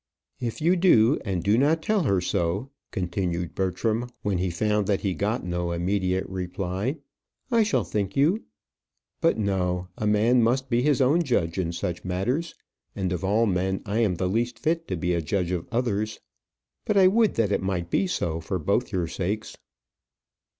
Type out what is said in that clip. "If you do, and do not tell her so," continued Bertram, when he found that he got no immediate reply, "I shall think you . But no; a man must be his own judge in such matters, and of all men I am the least fit to be a judge of others. But I would that it might be so, for both your sakes."